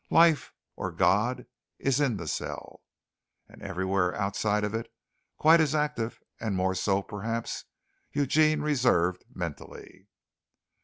Life, or God, is in the cell.... (And everywhere outside of it, quite as active and more so, perhaps, Eugene reserved mentally.)